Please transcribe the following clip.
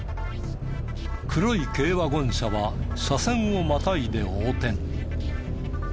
黒い軽ワゴン車は車線をまたいで横転。